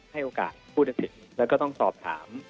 ให้โอกาสผู้ตัดสินแล้วก็ต้องสอบถาม